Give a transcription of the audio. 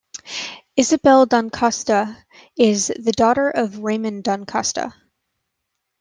Isabel Da Costa is the daughter of Raymond Da Costa.